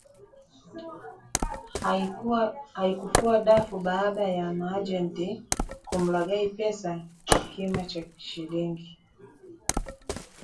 haikufua dafu baada ya maagenti kumlaghai pesa kima cha shillingi